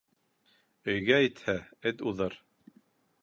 Өйгә етһә, эт уҙыр.